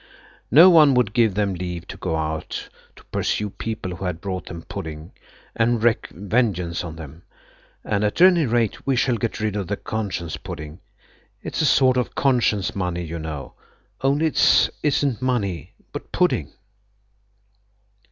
No one would give them leave to go out to pursue people who had brought them pudding, and wreck vengeance on then, and at any rate we shall get rid of the conscience pudding–it's a sort of conscience money, you know–only it isn't money but pudding."